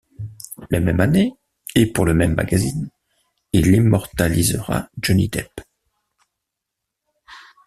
La même année et pour le même magazine, il immortalisera Johnny Depp.